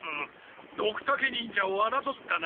ドクタケ忍者をあなどったな。